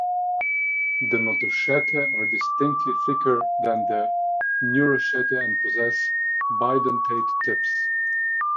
The notochaetae are distinctly thicker than the neurochaetae and possess bidentate tips.